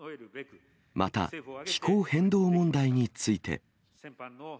また、気候変動問題について。